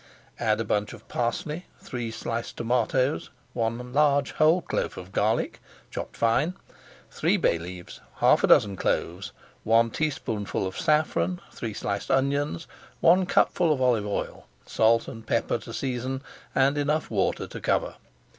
Add a bunch of parsley, three sliced tomatoes, one large whole clove of garlic, chopped fine, three bay leaves, half a dozen cloves, one teaspoonful of saffron, three sliced onions, one cupful of olive oil, salt and pepper to season, and enough water to cover.